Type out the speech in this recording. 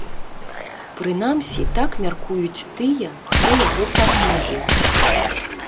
Прынамсі, так мяркуюць тыя, хто яго фармуе.